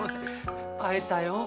会えたよ。